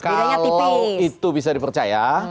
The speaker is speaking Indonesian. kalau itu bisa dipercaya